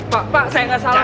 pak pak saya nggak salah